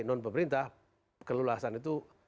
non pemerintah kelulusan itu